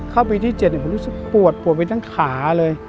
เข้าไปที่๗ผมรู้สึกปวดปวดไปทั้งขาเลย